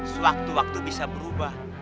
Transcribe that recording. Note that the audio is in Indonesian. sewaktu waktu bisa berubah